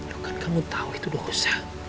tuh kan kamu tau itu dosa